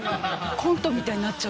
コントみたいになっちゃう。